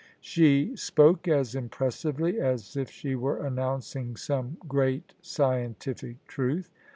She spoke as impressively as if she were announcing some great scientific truth.